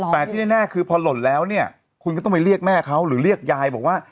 แต่ที่แน่คือพอหล่นแล้วเนี่ยคุณก็ต้องไปเรียกแม่เขาหรือเรียกยายบอกว่า